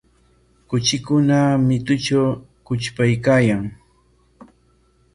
Kuchikuna mitutraw qutrpaykaayan.